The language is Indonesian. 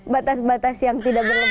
batas batas yang tidak benar